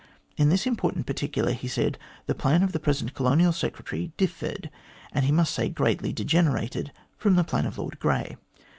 In this important particular, he said, the plan of the present Colonial Secretary differed, and he must say greatly degenerated, from the plan of Lord Grey.